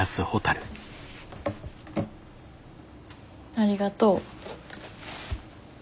ありがとう。